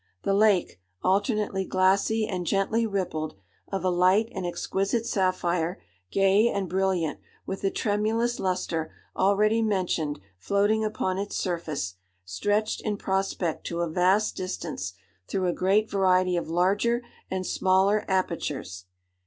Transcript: The lake, alternately glassy and gently rippled, of a light and exquisite sapphire, gay and brilliant with the tremulous lustre already mentioned floating upon its surface, stretched in prospect to a vast distance, through a great variety of larger and smaller apertures.